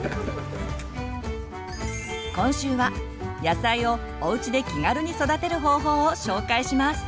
今週は野菜をおうちで気軽に育てる方法を紹介します。